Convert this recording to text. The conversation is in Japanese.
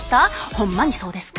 ほんまにそうですか？